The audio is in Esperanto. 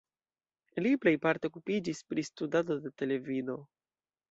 Li plejparte okupiĝis pri studado de televido.